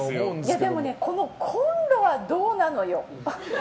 でも、このコンロはどうなのよ。